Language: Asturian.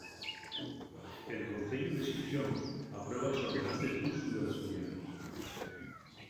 El Conceyu de Xixón aprueba les ordenances d'usu del asturianu.